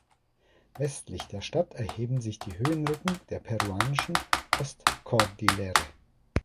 Westlich der Stadt erheben sich die Höhenrücken der peruanischen Ostkordillere.